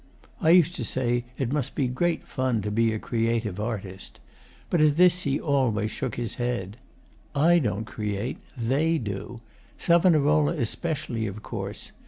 I used to say it must be great fun to be a creative artist; but at this he always shook his head: 'I don't create. THEY do. Savonarola especially, of course.